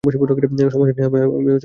সমস্যা নেই, আমি সব কিছু ভুলে গেছি।